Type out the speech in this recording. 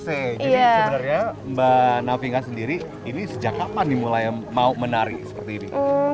jadi sebenarnya mba navinga sendiri ini sejak kapan dimulai mau menari seperti ini